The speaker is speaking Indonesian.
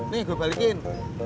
nih gue balikin